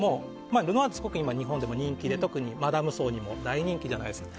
ルノワール、日本でも人気で特にマダム層にも大人気じゃないですか。